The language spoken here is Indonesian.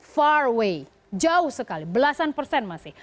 far away jauh sekali belasan persen masih